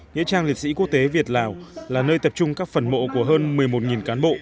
nghĩa trang liệt sĩ quốc tế việt lào là nơi tập trung các phần mộ của hơn một mươi một cán bộ